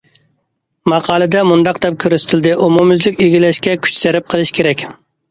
ماقالىدە مۇنداق دەپ كۆرسىتىلدى: ئومۇميۈزلۈك ئىگىلەشكە كۈچ سەرپ قىلىش كېرەك.